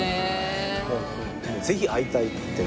「ぜひ会いたい」って。